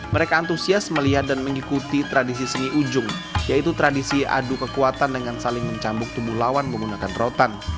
mereka antusias melihat dan mengikuti tradisi seni ujung yaitu tradisi adu kekuatan dengan saling mencambuk tubuh lawan menggunakan rotan